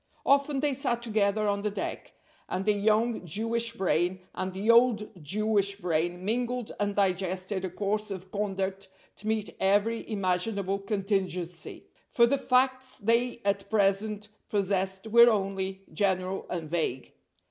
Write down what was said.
Often they sat together on the deck, and the young Jewish brain and the old Jewish brain mingled and digested a course of conduct to meet every imaginable contingency; for the facts they at present possessed were only general and vague.